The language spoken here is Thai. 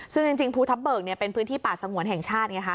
ซึ่งจริงภูทับเบิกเป็นพื้นที่ป่าสงวนแห่งชาติไงคะ